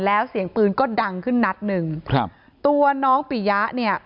แล้วเสียงปืนก็ดังขึ้นนัดหนึ่งครับตัวน้องปิยะเนี่ย